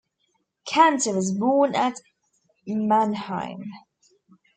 Cantor was born at Mannheim.